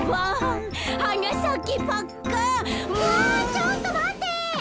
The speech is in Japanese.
あちょっとまって！